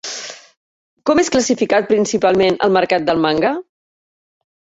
Com és classificat principalment el mercat del manga?